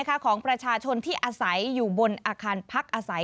ของประชาชนที่อาศัยอยู่บนอาคารพักอาศัย